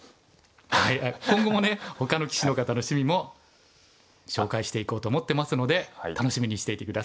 今後もねほかの棋士の方の趣味も紹介していこうと思ってますので楽しみにしていて下さい。